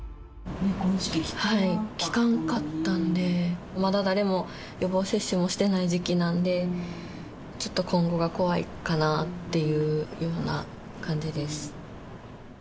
この時期、きかんかったんで、まだ誰も予防接種もしてない時期なんで、ちょっと今後が怖いかなっていうような感じです。